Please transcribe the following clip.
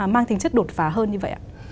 mang tính chất đột phá hơn như vậy